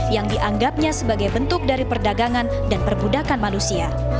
yang dianggapnya sebagai bentuk dari perdagangan dan perbudakan manusia